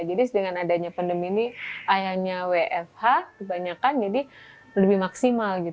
jadi dengan adanya pandemi ini ayahnya wfh kebanyakan jadi lebih maksimal gitu